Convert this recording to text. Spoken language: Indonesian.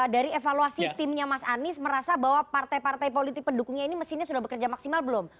dari evaluasi timnya mas anies merasa bahwa partai partai politik pendukungnya ini mesinnya sudah bekerja maksimal belum